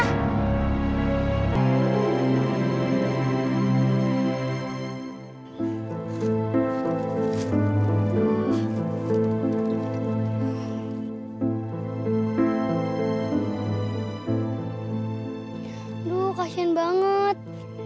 aduh kasihan banget